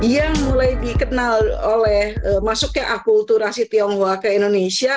yang mulai dikenal oleh masuknya akulturasi tionghoa ke indonesia